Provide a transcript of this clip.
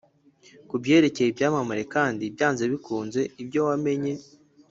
kubyerekeye ibyamamare, kandi, byanze bikunze, ibyo wamenye